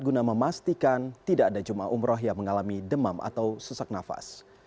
guna memastikan tidak ada jemaah umroh yang mengalami demam atau sesak nafas